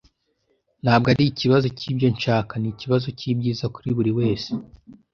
Ntabwo ari ikibazo cyibyo nshaka. Ni ikibazo cyibyiza kuri buri wese.